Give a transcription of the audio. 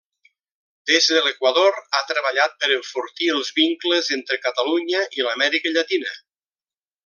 Des de l’Equador ha treballat per enfortir els vincles entre Catalunya i l’Amèrica Llatina.